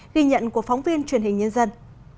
ghi nhận của phóng viên truyền hình nhân dân